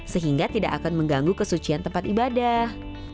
sehingga tidak akan mengganggu kesucian tempat ibadah